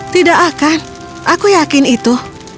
tidak akan aku yakin itu